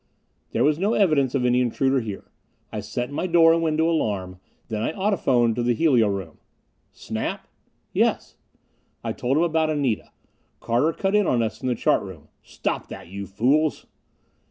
There was no evidence of any intruder here. I set my door and window alarm. Then I audiphoned to the helio room. "Snap?" "Yes." I told him about Anita. Carter cut in on us from the chart room. "Stop that, you fools!"